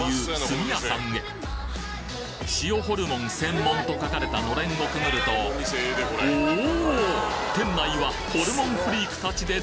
・「塩ホルモン専門」と書かれた暖簾をくぐるとおお！